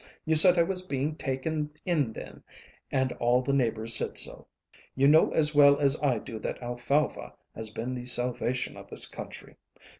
You said I was being taken in then, and all the neighbors said so. You know as well as I do that alfalfa has been the salvation of this country.